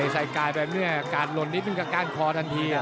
ไอ้สายกาแบบนี้การลนนิดนึงกาก้านคอทันที